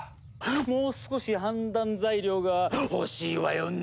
もう少し判断材料が欲しいわよね！